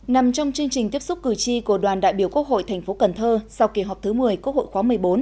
nằm trong chương trình tiếp xúc cử tri của đoàn đại biểu quốc hội tp cnh sau kỳ họp thứ một mươi quốc hội khóa một mươi bốn